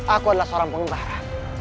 aku adalah seorang pengembara